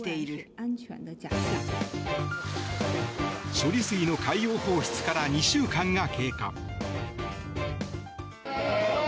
処理水の海洋放出から２週間が経過。